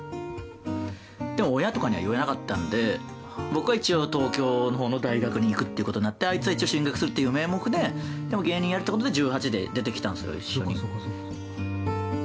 でも、親とかには言えなかったんで僕は一応、東京のほうの大学に行くっていうことになって、あいつは一応進学するっていう名目ででも芸人やるっていうことで１８で出てきたんですよ、一緒に。